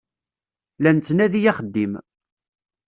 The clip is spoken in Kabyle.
La nettnadi axeddim.